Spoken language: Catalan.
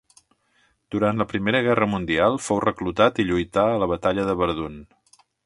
Durant la Primera Guerra Mundial fou reclutat i lluità a la batalla de Verdun.